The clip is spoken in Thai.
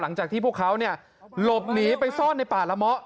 หลังจากที่พวกเขาหลบหนีไปซ่อนในป่าละเมาะ